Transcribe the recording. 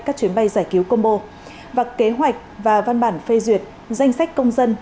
các chuyến bay giải cứu combo và kế hoạch và văn bản phê duyệt danh sách công dân